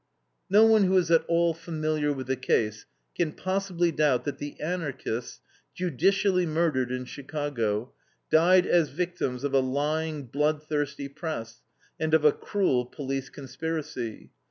No one who is at all familiar with the case can possibly doubt that the Anarchists, judicially murdered in Chicago, died as victims of a lying, bloodthirsty press and of a cruel police conspiracy.